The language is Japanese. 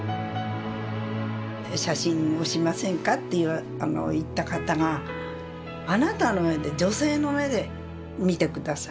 「写真をしませんか？」って言った方が「あなたの目で女性の目で見てください